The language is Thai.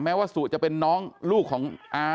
แม้ว่าสูตรจะเป็นน้องลูกของอา